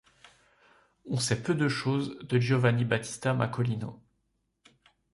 On sait peu de choses de Giovanni Battista Macolino.